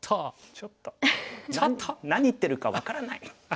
ちょっと何言ってるか分からない。